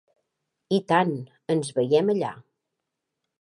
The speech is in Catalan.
I tant, ens veiem allà!